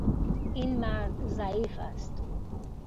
این مرد ضعیف است.